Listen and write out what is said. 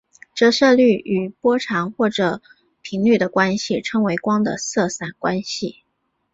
折射率与波长或者频率的关系称为光的色散关系。